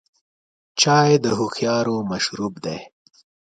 چای د هوښیارو مشروب دی.